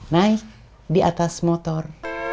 naik di atas motor